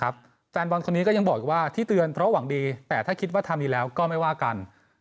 แฟนบอลคนนี้ก็ยังบอกอีกว่าที่เตือนเพราะหวังดีแต่ถ้าคิดว่าทำอีกแล้วก็ไม่ว่ากัน